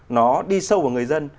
nó đi sâu vào người dân